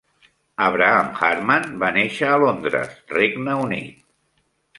Avraham Harman va néixer a Londres, Regne Unit.